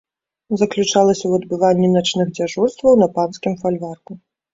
Заключалася ў адбыванні начных дзяжурстваў на панскім фальварку.